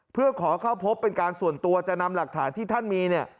เพื่อขอเข้าพบเป็นการส่วนตัวจะนำหลักฐานที่ท่านมีเนี่ย